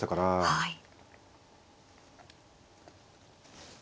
はい。